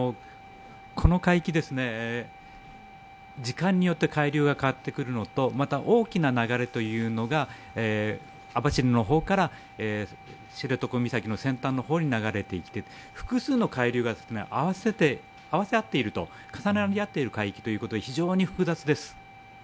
この海域は、時間によって海流が変わってくるのとまた、大きな流れというのが網走の方から知床岬の先端の方に流れていって複数の海流が重なり合っている海域ということで、非常に複雑です。